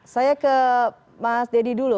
saya ke mas deddy dulu